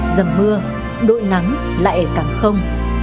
giầm mưa đội nắng lại càng không